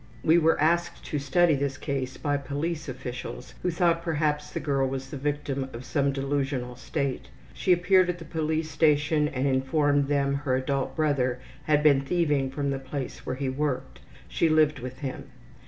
We were asked to study this case by police officials who thought perhaps the girl was the victim of some delusional state. She appeared at the police station and informed them her adult brother had been thieving from the place where he worked. She lived with him.